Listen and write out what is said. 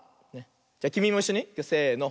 じゃきみもいっしょにせの。